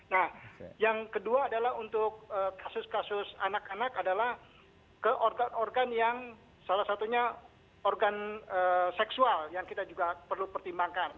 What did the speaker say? nah yang kedua adalah untuk kasus kasus anak anak adalah ke organ organ yang salah satunya organ seksual yang kita juga perlu pertimbangkan